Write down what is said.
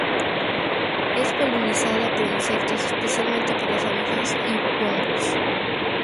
Es polinizada por insectos, especialmente por las abejas y "Bombus".